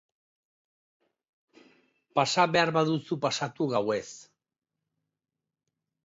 Pasa behar baduzu pasatu gauez...